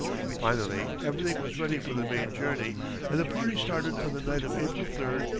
Finally everything was ready for the main journey, and the party started on the night of April 3, 1861.